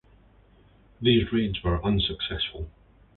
These raids were unsuccessful.